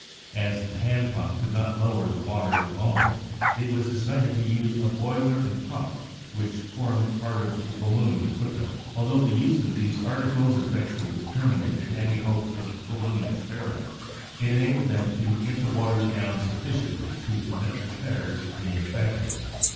As the hand pump could not lower the water alone, it was decided to use a boiler and pump which formed part of the balloon equipment. Although the use of these articles effectually terminated any hopes of balloon experiments, it enabled them to get the water down sufficiently to permit of repairs being effected.